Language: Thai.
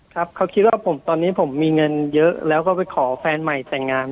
ครับเขาคิดว่าผมตอนนี้ผมมีเงินเยอะแล้วก็ไปขอแฟนใหม่แต่งงาน